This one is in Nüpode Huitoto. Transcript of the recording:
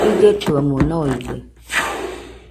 Illetuemo noide.